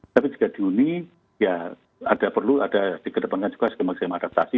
tapi jika dihuni ya ada perlu ada dikedepankan juga skema skema adaptasi